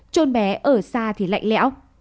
trôn bé ở xa thì lạnh lẽo